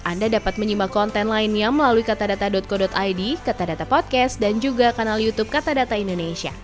anda dapat menyimak konten lainnya melalui katadata co id katadata podcast dan juga kanal youtube katadata indonesia